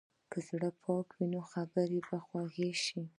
که زړه پاک وي، نو خبرې به خوږې شي.